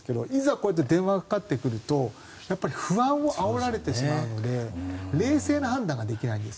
こうやって電話がかかってくると不安をあおられてしまうので冷静な判断ができないんです。